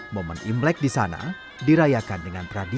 momen imlek di sana dirayakan dengan tradisi